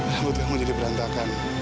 rambut kamu jadi berantakan